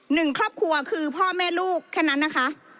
หนึ่งครอบครัวคือพ่อแม่ลูกแค่นั้นนะคะ